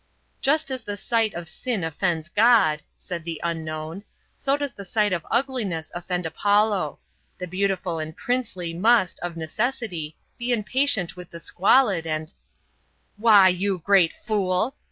"Just as the sight of sin offends God," said the unknown, "so does the sight of ugliness offend Apollo. The beautiful and princely must, of necessity, be impatient with the squalid and " "Why, you great fool!"